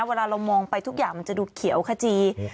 เวลาเรามองไปทุกอย่างมันจะดูเขียวขจี